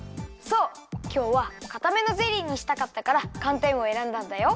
きょうはかためのゼリーにしたかったからかんてんをえらんだんだよ。